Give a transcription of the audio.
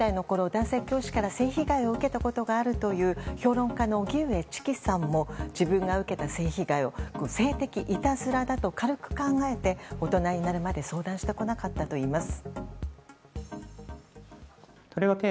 男性教師から性被害を受けたことがあるという評論家の荻上チキさんも自分が受けた性被害を性的いたずらだと軽く考えて大人になるまで相談してこなかったといいます。